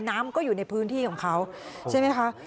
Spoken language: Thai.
น้ำก็อยู่ในพื้นที่ของเขาใช่ไหมคะ